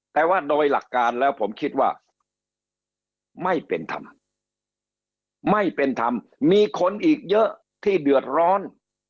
แต่ว่าโดยหลักการแล้วผมคิดว่าไม่เป็นธรรมไม่เป็นธรรมมีคนอีกเยอะที่เดือดร้อน